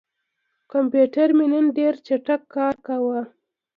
کمپیوټر مې نن ډېر چټک کار کاوه.